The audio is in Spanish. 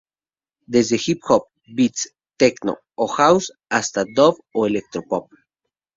Desde "Hip Hop", "Beats", "Techno" o "House", hasta "Dub" o "Electro Pop".